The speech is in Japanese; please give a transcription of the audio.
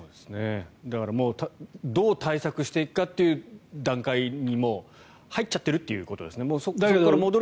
だからどう対策していくかという段階にもう入っちゃってるということですね。